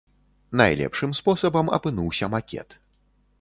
Найлепшым спосабам апынуўся макет.